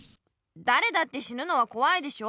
だれだって死ぬのはこわいでしょ。